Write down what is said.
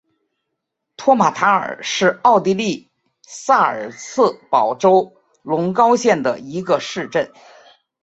托马塔尔是奥地利萨尔茨堡州隆高县的一个市镇。